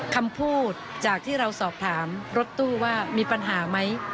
คำพูดจากที่เราสอบถามรถตู้ว่ามีปัญหาไหม